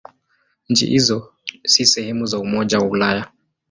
Nchi hizo si sehemu za Umoja wa Ulaya.